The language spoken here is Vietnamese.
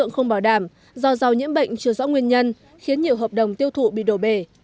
không bảo đảm do rau nhiễm bệnh chưa rõ nguyên nhân khiến nhiều hợp đồng tiêu thụ bị đổ bể